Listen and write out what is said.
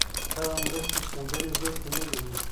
دغه مرستې چندانې زیاتې نه دي.